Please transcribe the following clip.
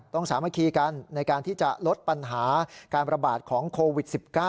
สามัคคีกันในการที่จะลดปัญหาการประบาดของโควิด๑๙